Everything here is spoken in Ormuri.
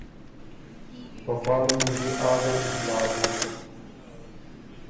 په پا ریوز يې آ ګه اطلاع بُک